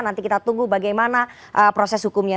nanti kita tunggu bagaimana proses hukumnya